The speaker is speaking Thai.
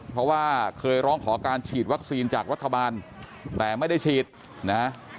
เพราะว่าเคยร้องขอการฉีดวัคซีนจากรัฐบาลแต่ไม่ได้ฉีดนะฮะ